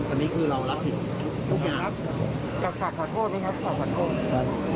อันนี้คือเรารับผิดทุกอย่าง